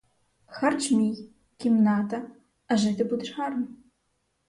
Харч мій, кімната, а жити будеш гарно.